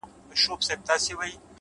هره پوښتنه د کشف نوی سفر دی’